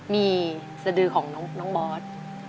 มีสดือของน้องบอส